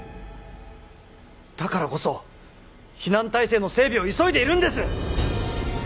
だからこそ避難体制の整備を急いでいるんです